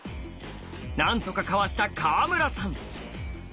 何とかかわした川村さん。